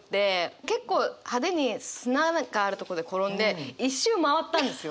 結構派手に砂なんかあるところで転んで一周回ったんですよ。